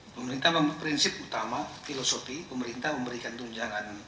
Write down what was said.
pemerintah prinsip utama filosofi pemerintah memberikan tunjangan